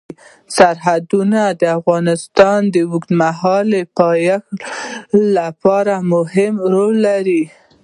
سرحدونه د افغانستان د اوږدمهاله پایښت لپاره مهم رول لري.